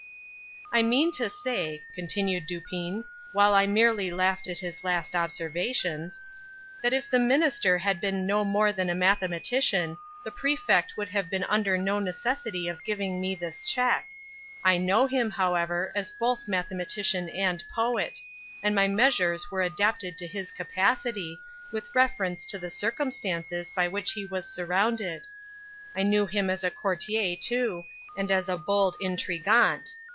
"I mean to say," continued Dupin, while I merely laughed at his last observations, "that if the Minister had been no more than a mathematician, the Prefect would have been under no necessity of giving me this check. I know him, however, as both mathematician and poet, and my measures were adapted to his capacity, with reference to the circumstances by which he was surrounded. I knew him as a courtier, too, and as a bold intriguant.